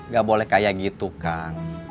gak boleh kayak gitu kang